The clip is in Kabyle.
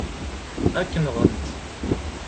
Ad k-nɣent.